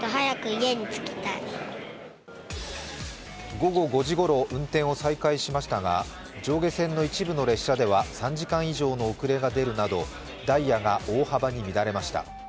午後５時ごろ運転を再開しましたが上下線の一部の列車では３時間以上の遅れが出るなど、ダイヤが大幅に乱れました。